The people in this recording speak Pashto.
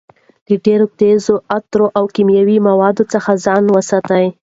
له ډېرو تېزو عطرو او کیمیاوي موادو څخه ځان وساتئ.